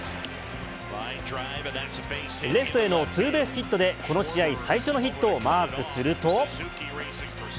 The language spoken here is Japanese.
レフトへのツーベースヒットで、この試合最初のヒットをマークすると。